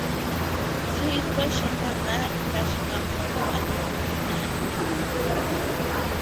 Swee trweshinda kaa ikashika mweri wa ikumi ha ivili.